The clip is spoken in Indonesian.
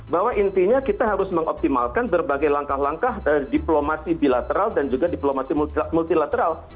bahwa intinya kita harus mengoptimalkan berbagai langkah langkah diplomasi bilateral dan juga diplomasi multilateral